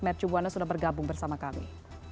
mursubwana sudah bergabung bersama kami